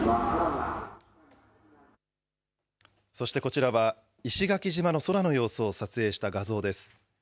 そしてこちらは、石垣島の空の様子を撮影した画像です。